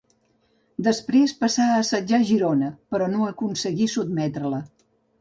Després passà a assetjar Girona, però no aconseguí sotmetre-la.